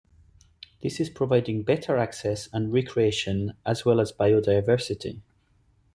This is providing better access and recreation, as well as biodiversity.